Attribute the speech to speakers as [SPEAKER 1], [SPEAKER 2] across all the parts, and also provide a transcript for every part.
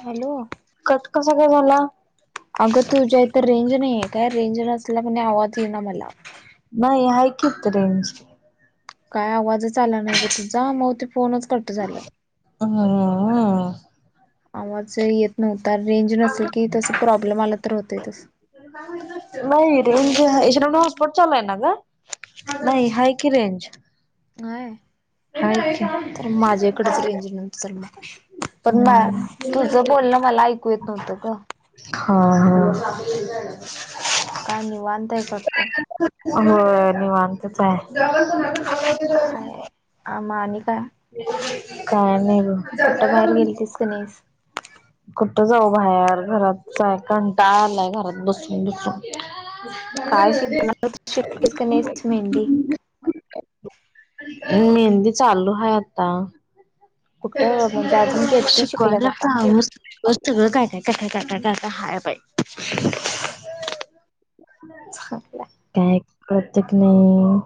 [SPEAKER 1] Hello
[SPEAKER 2] cut... कसा काय झाला?
[SPEAKER 1] अगं तुझ्या इथ तर रेंज नाही आहे काय? रेंज नसल्यामुळ आवाज येई ना मला.
[SPEAKER 2] नाही आहे कि इथ रेंज.
[SPEAKER 1] काय आवाजच आला नाही ग तर तुझा म ते फोनच कट झालं.
[SPEAKER 2] हा.
[SPEAKER 1] आवाज येत नव्ह रेंज नसेल कि तस प्रॉब्लेम आला तर होतय तस.
[SPEAKER 2] ए शनो हॉसपाॅट चालाय ना ग नाही हाय कि रेंज.
[SPEAKER 1] हाय
[SPEAKER 2] हाय की
[SPEAKER 1] तर
[SPEAKER 2] हा
[SPEAKER 1] माझ्याकडच रेंज नसेल मग. पण
[SPEAKER 2] हा
[SPEAKER 1] तुझं बोलणं
[SPEAKER 2] हा.
[SPEAKER 1] मला ऐकू येत
[SPEAKER 2] भाकरी
[SPEAKER 1] नव्हतं ग
[SPEAKER 2] झाल्यात... हंहं [unintelligible]
[SPEAKER 1] काय निवांत आहेस वाटतं?
[SPEAKER 2] होय निवांतच आहे.
[SPEAKER 1] काय मग आणि काय?
[SPEAKER 2] काय नाही
[SPEAKER 1] कुठं बाहेर
[SPEAKER 2] बघ.
[SPEAKER 1] गेलतीस का नाहीस
[SPEAKER 2] कुठं जाऊ बाहेर घरात आहे. कंटाळाच आलाय घरात बसून बसून. बाहेर
[SPEAKER 1] काय
[SPEAKER 2] जाणारे
[SPEAKER 1] शिकणार होतीस
[SPEAKER 2] [inaudible]
[SPEAKER 1] शिकलीस का
[SPEAKER 2] राधे?
[SPEAKER 1] नाहीस मेहंदी
[SPEAKER 2] मेहंदी चालू आहे, आता.
[SPEAKER 1] कुठं म्हणजे अजून किती शिकल्यास
[SPEAKER 2] शिकवायला
[SPEAKER 1] आता
[SPEAKER 2] का [unintelligible] [inaudible] मत सगळं काय? काय? काय? काय काय काय हाय बाई.
[SPEAKER 1] चांगलं
[SPEAKER 2] काय? प्रत्येक नाही.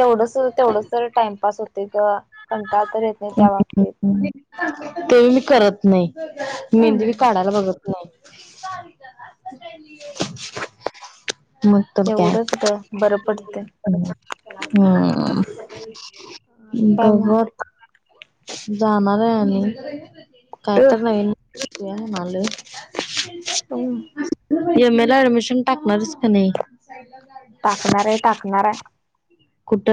[SPEAKER 1] तेवढच तेवढं टाइमपास होते ग. कंटाळ तर येत नाही त्या बाबतीत
[SPEAKER 2] [unintelligible] ते मी करत. नाही मेहंदी पण
[SPEAKER 1] हम्म
[SPEAKER 2] काढायला बघत नाईत. मग तो गॅप
[SPEAKER 1] तेवढंच
[SPEAKER 2] [unintelligible]
[SPEAKER 1] ग बरं पडते आणि काय मग.
[SPEAKER 2] जाणार आहे, आणि कायतरी नवीन. आलोय. [unintelligible]
[SPEAKER 1] [unintelligible]
[SPEAKER 2] एम ए ला ऍडमिशन टाकणार आहेस का नाही.
[SPEAKER 1] टाकणार आहे टाकणार आहे.
[SPEAKER 2] कुठ.?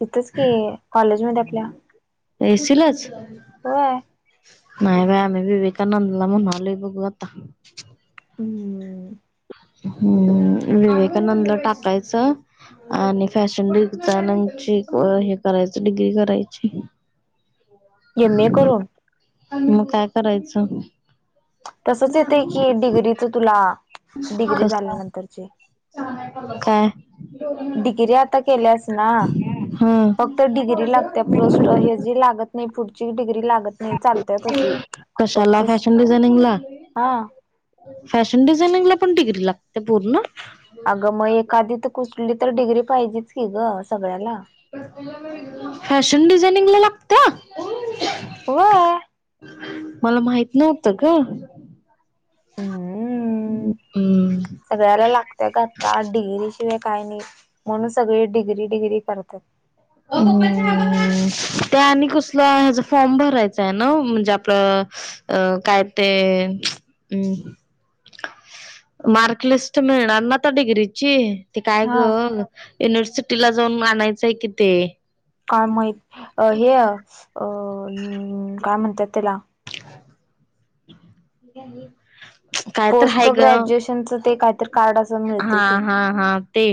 [SPEAKER 1] तिथच की, कॉलेज मध्ये आपल्या.
[SPEAKER 2] एसीलाच.
[SPEAKER 1] होय.
[SPEAKER 2] नाही बा आम्ही विवेकानंदला म्हणालो बघू आता.
[SPEAKER 1] हम्म
[SPEAKER 2] हम्म विवेकानंदला टाकायचं. आणि फॅशन डचा नची हे करायचं डिग्री करायची.
[SPEAKER 1] एम ए करून.
[SPEAKER 2] मग काय करायचं.
[SPEAKER 1] तसच येतंय की डिग्रीच तुला डिग्री
[SPEAKER 2] कस
[SPEAKER 1] झाल्यानंतरची.
[SPEAKER 2] काय?
[SPEAKER 1] डिग्री आता केल्यास ना.
[SPEAKER 2] हा
[SPEAKER 1] फक्त डिग्री लागते पोस्ट ह जी लागत नाही पुढ फक्त
[SPEAKER 2] कशाला फॅशन डिझाइनिंग ला.
[SPEAKER 1] हा
[SPEAKER 2] फॅशन डिझाइनिंगला पण डिग्री लागते पूर्ण.
[SPEAKER 1] अगं मग एखादी तर कसली तर डिग्री पाहिजेच की, ग सगळ्याला.
[SPEAKER 2] फॅशन डिझानिंग ला लागत्या.
[SPEAKER 1] व्हय.
[SPEAKER 2] मला माहित नव्हत ग.
[SPEAKER 1] हम्म
[SPEAKER 2] हम्म
[SPEAKER 1] सगळ्याला लागत्या ग आत्ता डिगरी. शिवाय काही नाही म्हणून सगळे डिग्री डिग्री करतात.
[SPEAKER 2] आणि कस ह फॉर्म भरायच आहे, ना म्हणजे आपलं. अ काय ते. मार्क लिस्ट मिळणार ना त्या डिग्रीची. ते काय ग
[SPEAKER 1] हा.
[SPEAKER 2] युनिव्हर्सिटीला जाऊन आणनायचंय कि ते.
[SPEAKER 1] काय माहित अ हे अ काय म्हणतात त्याला
[SPEAKER 2] [inaudible] काय तर
[SPEAKER 1] पोस्ट
[SPEAKER 2] हाय ग
[SPEAKER 1] ग्रॅज्युएशनचं ते काहीतरी कार्ड असं मिळते
[SPEAKER 2] हा
[SPEAKER 1] ते.
[SPEAKER 2] हा हा ते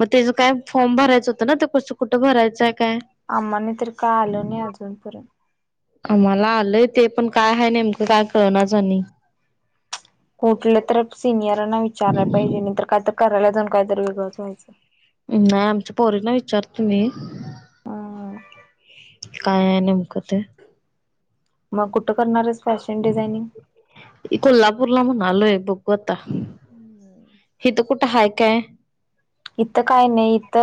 [SPEAKER 2] मग त्याच काय. फॉर्म भरायं होतं ना ते कसं कुठं भरायचं.
[SPEAKER 1] आम्हाने तर का आल नाही अजूनपर्यंत.
[SPEAKER 2] आम्हाला आलंय ते पण काय आहे नेमकं काय कळणाच आणि
[SPEAKER 1] कुठलं तर सिनियरांना विचारला पाहिजे नाही तर काय तर करायला जाऊन काय तर वेगळंच व्हायचं.
[SPEAKER 2] नाही आमच्या पोरीना विचारतो मी.
[SPEAKER 1] हम्म
[SPEAKER 2] काय आहे नेमक ते.
[SPEAKER 1] मग कुठं करणार आहेस फॅशन डिझाइनिंग.
[SPEAKER 2] कोल्हापूरला म्हणा आलोय आहे बघु आता. कुठं हाय काय?
[SPEAKER 1] इथं काही नाही इथ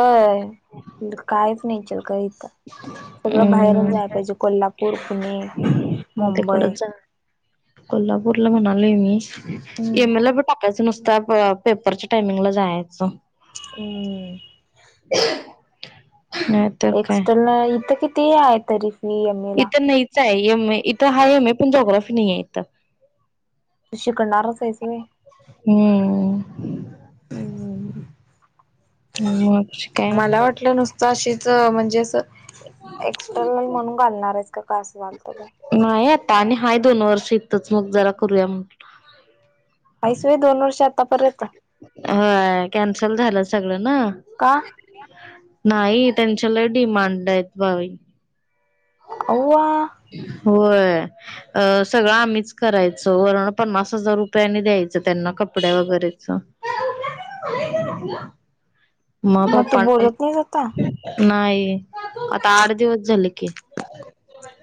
[SPEAKER 1] कायच नाही चल का. सगळं
[SPEAKER 2] अम
[SPEAKER 1] बाहेरच जाय पाहिजे कोल्हापूर पुणे.
[SPEAKER 2] मग
[SPEAKER 1] मुंबई
[SPEAKER 2] तेकडच जा कोल्हापूरला म्हणालोय मी.
[SPEAKER 1] हम्म
[SPEAKER 2] एम ए. ला बी टाकायच नुसता पेपरच्या टायमिंगला जायचं.
[SPEAKER 1] हम
[SPEAKER 2] [unintelligible] तर काय
[SPEAKER 1] एक्स्टर्नल इथं किती आहे तरी फी एम एला
[SPEAKER 2] इथं नाहीच एम ए इथं हा एम ए पण ज्योग्राफी नाही आहे इथं
[SPEAKER 1] तू शिकणारच आहेस होय
[SPEAKER 2] हम्म मग काय
[SPEAKER 1] मला
[SPEAKER 2] नको
[SPEAKER 1] वाटलं नुसतं अशीच म्हणजे अस एक्स्टर्नल म्हणून घालणार आहे का कासवाल
[SPEAKER 2] नाही आता आणि हाय दोन वर्ष इथंच मग जरा करूया म्ह
[SPEAKER 1] हासय होय दोन वर्षात
[SPEAKER 2] होय कॅन्सल झालं सगळं ना
[SPEAKER 1] का
[SPEAKER 2] नाही त्यांच्या लय डिमांड आहेत बाई
[SPEAKER 1] अवा
[SPEAKER 2] होय सगळं आम्हीच करायचं वर्ण पन्नास हजार रुपये आम्हीच द्यायचं. त्यांना कपड्या वगैरेच [inaudible] मग
[SPEAKER 1] तू
[SPEAKER 2] पपा
[SPEAKER 1] बोलत नाहीस आता
[SPEAKER 2] नाही आता आठ दिवस झाले की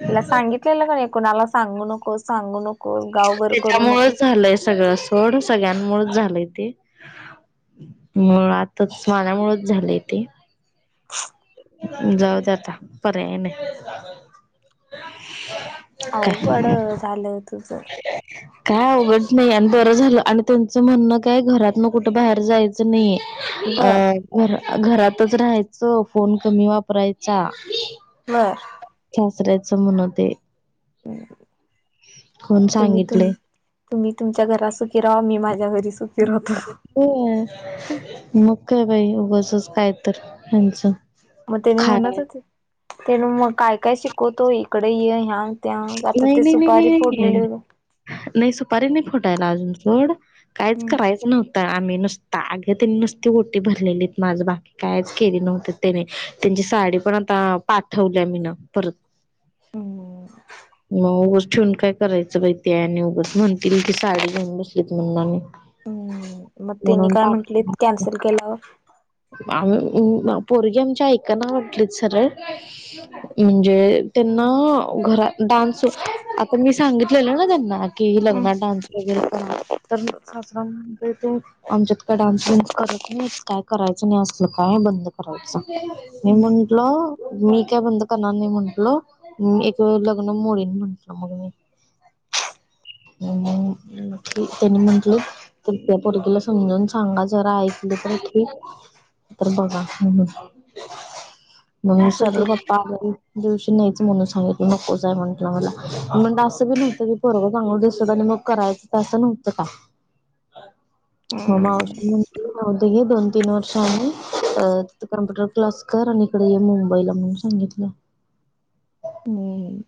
[SPEAKER 1] तिला सांगितलेलं कुणाला सांगू नकोस सांगू नको
[SPEAKER 2] त्यामुळंच झालय सगळ सोड सगळ्यांमुळच झालय ते. मुळातच माझ्यामुळे झालय ते जाऊ त्याता पर्याय नाही
[SPEAKER 1] अवघड
[SPEAKER 2] काय
[SPEAKER 1] झालं तुझ
[SPEAKER 2] काय अवघड नाही आणि बरं आणि त्याचं म्हणणं काय घरातन कुठ भायेर जायचं नाही अ
[SPEAKER 1] बर
[SPEAKER 2] घर घरातच राहायचं फोन कमी वापरायचा
[SPEAKER 1] बर
[SPEAKER 2] सरायचं म्हणं ते
[SPEAKER 1] हो
[SPEAKER 2] कोण सांगितले
[SPEAKER 1] तुम्ही तुमच्या घरा सुखी राहा मी माझ्या घरी सुखी राहतो
[SPEAKER 2] होय मग काय बाई उगचच काय तर त्यांचं
[SPEAKER 1] मग त्यानी म्हणत होते त्या मग काय काय शिकवतो इकडे ये ह्या त्या आता
[SPEAKER 2] नाही
[SPEAKER 1] ते
[SPEAKER 2] नाही नाही
[SPEAKER 1] सुपारी फोडलेले
[SPEAKER 2] नाही
[SPEAKER 1] होते.
[SPEAKER 2] नाही सुपारी नाही फुटायला अजून सोड कायच
[SPEAKER 1] हम्म
[SPEAKER 2] करायचं ना आम्ही नुसता अगं त्यांनी नुसती ओटी भरलेली माझ बाकी कायच केली नव्हतीत तेनी जी साडी पण आता पाठवली मी ना परत
[SPEAKER 1] हो
[SPEAKER 2] मग उगच ठेवून काय करायचं बई ते आणि उगच म्हणतील की साडी घेऊन बसलीत म्हणून आणि
[SPEAKER 1] हं मग त्यांनी
[SPEAKER 2] म्हणून
[SPEAKER 1] काय म्हंटलेत कॅन्सल केल्यावर
[SPEAKER 2] आ पोरगी आमच्या ऐकना म्हटलीत सरळ
[SPEAKER 1] हम्म
[SPEAKER 2] म्हणजे त्यांना घरा डान्स अगं मी सांगितलेलं ना त्यांना की लग्नात नाच वगैरे तर सास म्हणजे ते आमच्यात का डान्स न्स करत नाहीत का करायच नाही अस काय बंद करायच नही
[SPEAKER 1] हम्म
[SPEAKER 2] म्हंटलं मी काय बंद करणार नाही म्ह म्हटलं एक लग्न मोडीन म्हटलं मग मी
[SPEAKER 1] [inaudible]
[SPEAKER 2] अं त्यानी म्हंटलं तर त्या पोरगीला समजून सांगा जरा ऐकलं अंगठी तर बघा मग
[SPEAKER 1] असू दे
[SPEAKER 2] सरळ
[SPEAKER 1] की
[SPEAKER 2] पप्पा दिवशी नाहीच म्हणून सांगित नकोचय म्हटलं मला म्हण असं नव्हतं की पोरग चांगल दिसत आणि करायचं तसं नव्हतं का
[SPEAKER 1] [inaudible]
[SPEAKER 2] ममा
[SPEAKER 1] हम्म
[SPEAKER 2] उच ना तीन वर्ष आम्ही कम्प्युटर क्लास कर, आणि इकडे ये मुंबईला म्हणून सांगितलं.
[SPEAKER 1] हं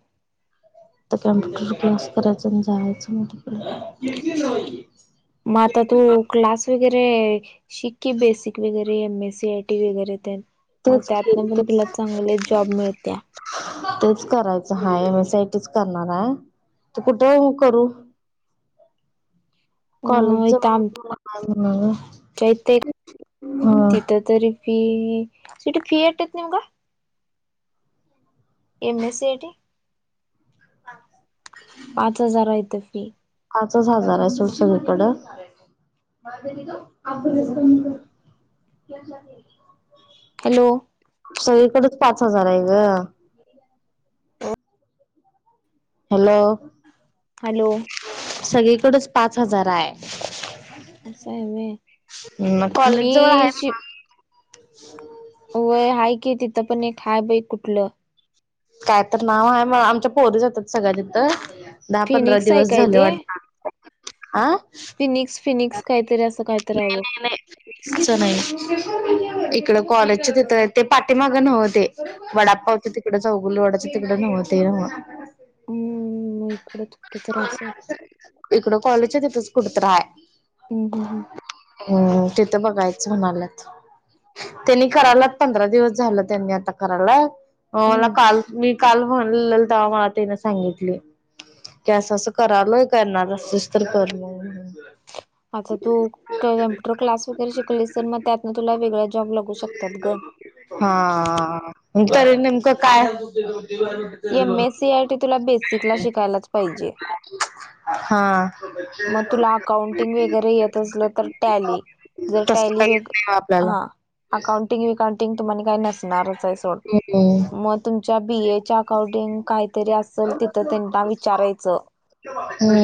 [SPEAKER 2] तर कम्प्युटर कोर्स करायचा जायचं तिकड
[SPEAKER 1] मग आता तू क्लास वगैरे शिक की बेसिक वगैरे M S C I T वगैरे तेन मग
[SPEAKER 2] तेच की
[SPEAKER 1] त्यातून पण
[SPEAKER 2] तेच
[SPEAKER 1] तुला चांगले जॉब मिळत्या
[SPEAKER 2] तेच करायचं हा एम एस आयटीच करणार आहे त कुठे करू?
[SPEAKER 1] अ
[SPEAKER 2] कॉलेज जवळ मग
[SPEAKER 1] ते ते तिथं तरी [unintelligible] एमएस सी आय टी पाच हजार हाय इथं फी.
[SPEAKER 2] पाच च हजार आहे सोड सगळीकडे [unintelligible]
[SPEAKER 1] हॅलो
[SPEAKER 2] सगळीकडे चं पाच हजार आहे गं हॅलो
[SPEAKER 1] हॅलो
[SPEAKER 2] सगळीकडचं पाच हजार आहे.
[SPEAKER 1] असं आहे व्हय
[SPEAKER 2] हं म कॉलेज जवळ आहे
[SPEAKER 1] मी शि
[SPEAKER 2] म्हणं
[SPEAKER 1] व्हय हाय कि तिथं पण एक हाय बई कुठलं
[SPEAKER 2] काय तर नाव आहे म आमच्या पोरी जात्यात सगळ्या तिथं दहा पंधरा
[SPEAKER 1] फिनिक्स आहे
[SPEAKER 2] दिवस
[SPEAKER 1] काय
[SPEAKER 2] झाले
[SPEAKER 1] ते
[SPEAKER 2] वाटतं अ
[SPEAKER 1] फिनिक्स फिनिक्स काहीतरी असं काहीतरी आहे
[SPEAKER 2] नाही
[SPEAKER 1] बघ
[SPEAKER 2] नाही नाही नाही इकड कॉलेजच्या तिथं ते पाठीमागं नव्ह ते वडापावच्या तिकडच चौगुले वड्याचे तिकडे नव्ह ते नव्ह
[SPEAKER 1] हं मकच
[SPEAKER 2] इकडं कॉलेजच्या तिथंच कुठतर हाय
[SPEAKER 1] हम्म हम्म हम्म
[SPEAKER 2] हं तिथं बघायचं म्हणाल्यात. त्यांनी कराल्यात पंधरा दिवस झालं त्यांनी आता कराल्यात. मला
[SPEAKER 1] हम्म
[SPEAKER 2] काल मी काल म्हणलेल तेव्हा मला त्यान सांगितले. की असं असं करालोय करणार असलीस तर कर म्हणून
[SPEAKER 1] [inaudible] आता तू कम्प्युटर क्लास वगैरे शिकलीस तर मग त्यातन तुला वेगळा जॉब लागू शकतात गं
[SPEAKER 2] हा त नेमकं काय
[SPEAKER 1] एम एस सी आयटी तुला बेसिकला शिकायलाच पाहि
[SPEAKER 2] हा
[SPEAKER 1] मग तुला अकाउंटिंग वगैरे येत असलं तर टॅली जर
[SPEAKER 2] तसलं
[SPEAKER 1] टॅली
[SPEAKER 2] काही
[SPEAKER 1] व
[SPEAKER 2] येत नाही आपल्याला.
[SPEAKER 1] हा अकाउंटिंग विकौउंटिंग तुम का नसणारच आहे सोड
[SPEAKER 2] हम्म
[SPEAKER 1] मग तुमच्या बी ए अंकाटिंग काय तरी असेल तिथे विचारायचं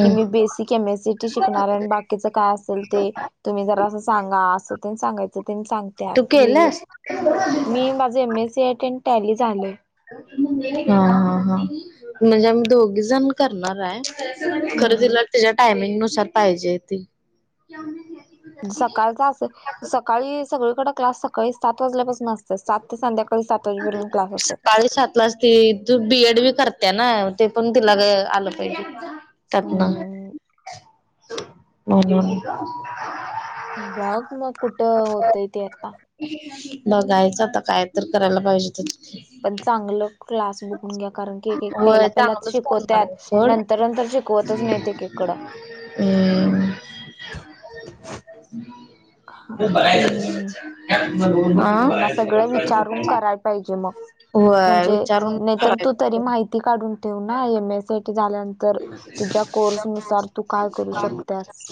[SPEAKER 1] कि मी बेसिक एम शिकणार बाकीच काय असेल ते तुम्ही जरा अस सांगा अस सांगयचं
[SPEAKER 2] तू
[SPEAKER 1] सांगत
[SPEAKER 2] केलंस?
[SPEAKER 1] मी माझे M A M S C I T आणि टॅली झालं.
[SPEAKER 2] हा हा हा म्हणजे आम्ही दोघी जण करणार आहे. खरेदीला
[SPEAKER 1] हम्म
[SPEAKER 2] त्याच्या टायमिंग नुसार पाहिजे त
[SPEAKER 1] सकाळचा अस सकाळी सगळीकडे क्लास सकाळी सात वाजल्यापासून असत.
[SPEAKER 2] सकाळी सात ला असते तू बीएड बी कर त्या ना ते पण तिला आलं पाहिजे त्यातनं
[SPEAKER 1] हम्म
[SPEAKER 2] हो [unintelligible]
[SPEAKER 1] बघ मग कुठं होतय ते आता
[SPEAKER 2] बघायचं आता काय तर करायला पाहिजे. तर
[SPEAKER 1] पण चांगल क्लास बघून घ्या कारण की एक पहिला
[SPEAKER 2] होय
[SPEAKER 1] पहिला
[SPEAKER 2] चांगलंच करणार आहे
[SPEAKER 1] शिकवतत
[SPEAKER 2] सोड
[SPEAKER 1] नंतर नंतर शिकवतच नाहीत एककड
[SPEAKER 2] हम
[SPEAKER 1] हो
[SPEAKER 2] खूप
[SPEAKER 1] बाई त्यांना सगळ विचारून करायला पाहिजे मग
[SPEAKER 2] होय
[SPEAKER 1] म्हणजे
[SPEAKER 2] विचारून
[SPEAKER 1] नाही तर तू तरी
[SPEAKER 2] करायचं
[SPEAKER 1] माहिती काढून ठेव ना M S C I T झाल्यानंतर तुझ्या कोर्स नुसार तू काय करू शकतास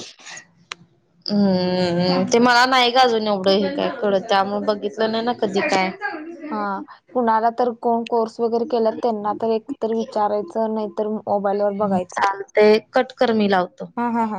[SPEAKER 2] हम्मम ते मला नाही अजून एवढं हे काय डं त्यामुळे बघितलं नाही ना कधी काय
[SPEAKER 1] हा कुणाला तर कोण कोर्स वगैरे केला त्यांना तर एकत विचारायचं नाहीतर मोबाईल वर बघायचं
[SPEAKER 2] ते कटकर मी लावतो
[SPEAKER 1] हा हा हा